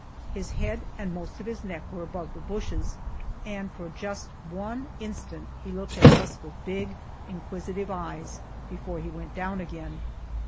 His head and most of his neck were above the bushes, and for just one instant he looked at us with big inquisitive eyes before he went down again.